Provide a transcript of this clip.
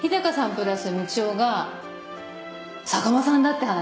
プラスみちおが坂間さんだって話。